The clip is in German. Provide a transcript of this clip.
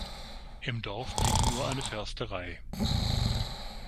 Im Dorf blieb nur eine Försterei.